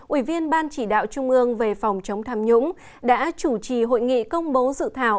ủy viên ban chỉ đạo trung ương về phòng chống tham nhũng đã chủ trì hội nghị công bố dự thảo